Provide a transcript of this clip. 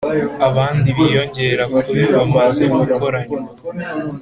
abandi biyongera ku be bamaze gukoranywa z